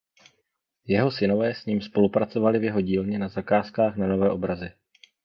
Jeho synové s ním spolupracovali v jeho dílně na zakázkách na nové obrazy.